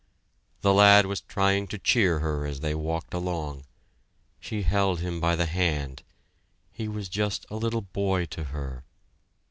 The lad was trying to cheer her as they walked along. She held him by the hand: he was just a little boy to her.